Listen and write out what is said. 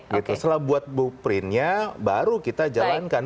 setelah buat blueprintnya baru kita jalankan